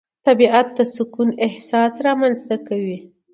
طبیعت د سکون احساس رامنځته کوي